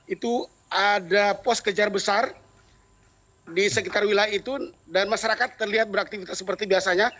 itu ada pos kejar besar di sekitar wilayah itu dan masyarakat terlihat beraktivitas seperti biasanya